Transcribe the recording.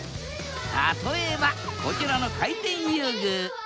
例えばこちらの回転遊具。